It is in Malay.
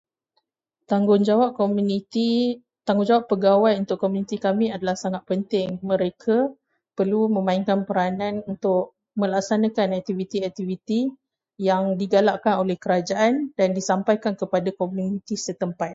Tanggungjawab komuniti- tanggungjawab pegawai untuk komuniti kami sangatlah penting. Mereka perlu memainkan peranan untuk melaksanakan aktiviti-aktiviti yang digalakkan oleh kerajaan dan disampaikan kepada komuniti setempat.